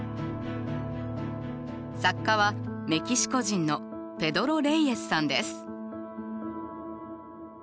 作家はメキシコ人のペドロ・レイエスさんです。